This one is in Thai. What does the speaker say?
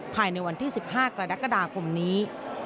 ภายในวันที่๑๕กรกฎาคมนี้